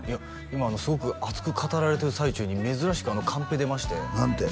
今すごく熱く語られてる最中に珍しくカンペ出まして何て？